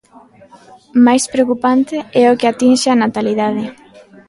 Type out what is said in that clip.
Máis preocupante é o que atinxe á natalidade.